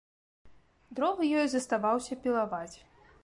Дровы ёй заставаўся пілаваць.